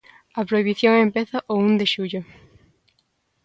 A prohibición empeza o un de xullo.